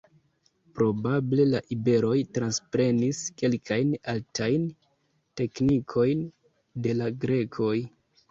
Probable la iberoj transprenis kelkajn artajn teknikojn de la grekoj.